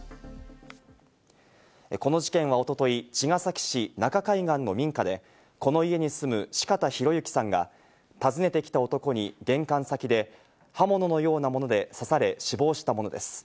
この事件は一昨日、茅ヶ崎市中海岸の民家でこの家に住む四方洋行さんが訪ねてきた男に玄関先で刃物のようなもので刺され、死亡したものです。